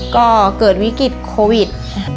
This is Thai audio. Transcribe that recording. ก็เกิดวิกฤตโควิด